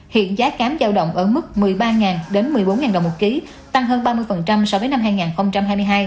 hiện giá cám giao động ở mức một mươi ba một mươi bốn đồng một ký tăng hơn ba mươi so với năm hai nghìn hai mươi hai